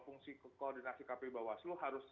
fungsi koordinasi kpu bawaslu harus